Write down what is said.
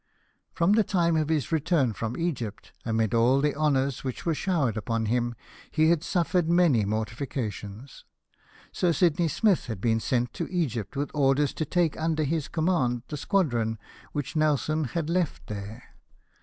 From the time of his return from Egypt, amid all the honours which were showered upon him, he had suffered many mortifications. Sir Sidney Smith had been sent to Egypt, with orders to take under his command the squadron which Nelson had left there.